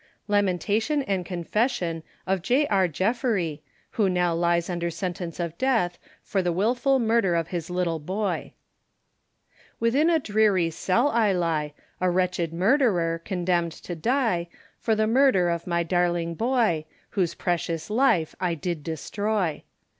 LAMENTATION & CONFESSION OF J. R. JEFFERY Who now lies under sentence of death, for the wilful murder of his little boy. Within a dreary cell I lie, A wretched murderer, condemned to die For the murder of my darling boy, Whose precious life I did destroy.